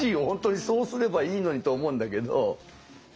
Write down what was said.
本当にそうすればいいのにと思うんだけど。